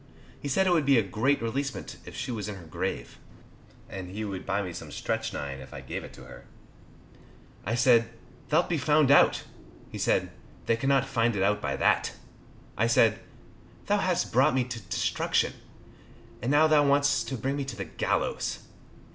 He said it would be a great releasement if she was in her grave, and he would buy some stretchnine (strychnine) if I would give it her. I said, "Thou'lt be found out." He said, "They cannot find it out by that." I said, "Thou hast brought me to destruction, and now thou wants to bring me to the gallows."